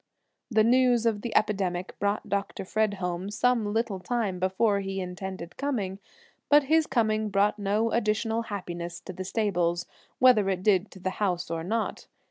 The news of the epidemic brought Dr. Fred home some little time before he intended coming, but his coming brought no additional happiness to the stables, whether it did to the house or not.